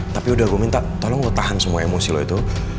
tapi udah gue minta tolong lo tahan semua emosi lo itu